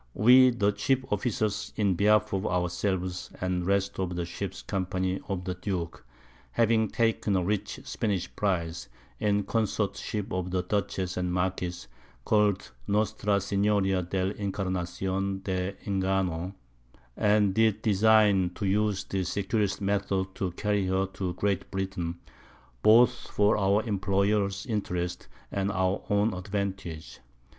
We the chief Officers in behalf of ourselves and the rest of the Ship's Company of the Duke, having taken a rich Spanish Prize, in Consortship with the Dutchess and Marquiss, call'd Nostra Seniora del Incarnacion de ingano, and did design to use the securest Methods to carry her to Great Britain, _both for our Employers interest and our own Advantage.